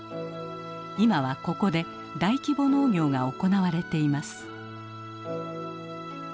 今はここで大規模農業が行われています。